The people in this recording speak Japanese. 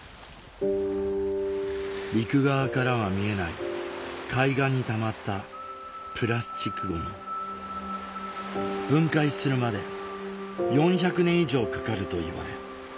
陸側からは見えない海岸にたまったプラスチックゴミ分解するまで４００年以上かかるといわれと考えられています